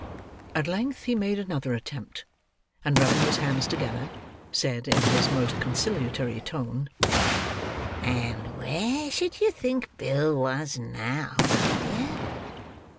At length he made another attempt; and rubbing his hands together, said, in his most conciliatory tone, "And where should you think Bill was now, my dear?"